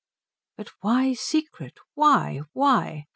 "But why secret? Why? Why?"